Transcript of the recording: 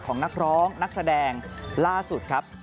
นักร้องนักแสดงล่าสุดครับ